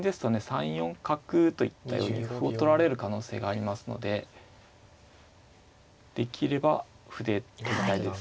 ３四角といったように歩を取られる可能性がありますのでできれば歩で取りたいです。